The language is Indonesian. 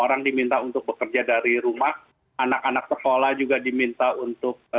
dan orang diminta untuk bekerja dari rumah anak anak sekolah juga diminta untuk keluar